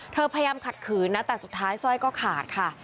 พยายามขัดขืนนะแต่สุดท้ายสร้อยก็ขาดค่ะ